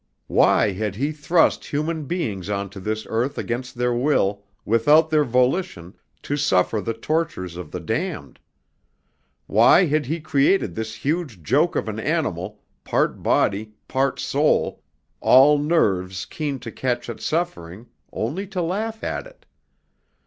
Why had He thrust human beings onto this earth against their will, without their volition, to suffer the tortures of the damned? Why had He created this huge joke of an animal, part body, part soul, all nerves keen to catch at suffering, only to laugh at it?